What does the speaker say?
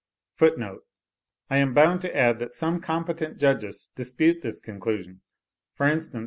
(25. But I am bound to add that some competent judges dispute this conclusion; for instance, M.